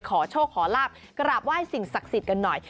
ขอโชคขอลาบกราบไหว้สิ่งศักดิ์สิทธิ์กันหน่อย